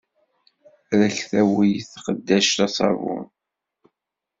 Ad ak-d-tawey tqeddact aṣabun.